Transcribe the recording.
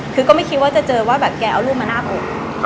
คือก็ไม่คิดว่าจะเจอว่าแบบแกเอารูปมาหน้าอก